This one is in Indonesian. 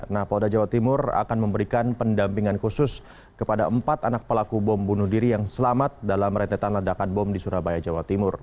nah polda jawa timur akan memberikan pendampingan khusus kepada empat anak pelaku bom bunuh diri yang selamat dalam rentetan ledakan bom di surabaya jawa timur